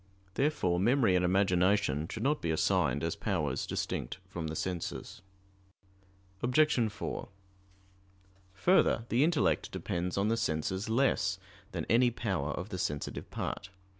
Therefore memory and imagination should not be assigned as powers distinct from the senses. Obj. 4: Further, the intellect depends on the senses less than any power of the sensitive part.